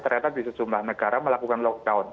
ternyata bisnis jumlah negara melakukan lockdown